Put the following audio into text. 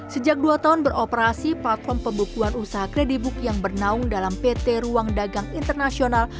sejak dua tahun beroperasi platform pembukuan usaha kredibook yang bernaung dalam pt ruang dagang internasional